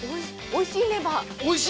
◆おいしいねば。